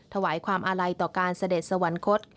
ถวายความอาลัยต่อการเสด็จสวรรคต